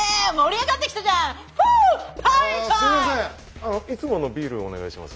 あのいつものビールをお願いします。